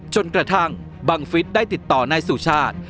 จนกระทั่งบังฟิศได้ติดต่อนายสุชาติ